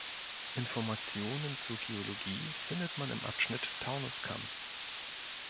Informationen zur Geologie findet man im Abschnitt Taunuskamm.